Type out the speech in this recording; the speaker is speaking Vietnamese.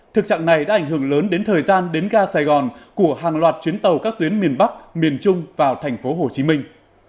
thực trạng này đã ảnh hưởng lớn đến thời gian đến ga sài gòn của hàng loạt chuyến tàu các tuyến miền bắc miền trung vào thành phố hồ chí minh